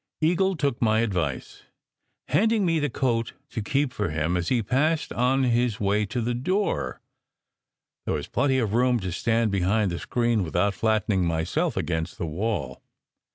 Eagle took my advice, handing me the coat to keep for him as he passed on his way to the door. There was plenty of room to stand behind the screen without flatten ing myself against the wall.